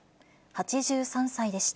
８３歳でした。